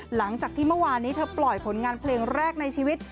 หลังจากที่เมื่อวานนี้เธอปล่อยผลงานเพลงแรกในชีวิต